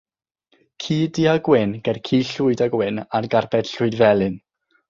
Ci du a gwyn ger ci llwyd a gwyn ar garped llwydfelyn.